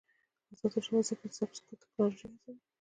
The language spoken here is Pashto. آزاد تجارت مهم دی ځکه چې سبز تکنالوژي هڅوي.